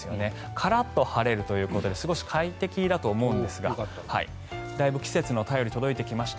カラッと晴れるということで少し快適だと思うんですがだいぶ季節の便りが届いてきました。